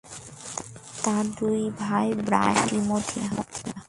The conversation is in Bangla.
তার দুই ভাই ব্রায়ান এবং টিমোথি।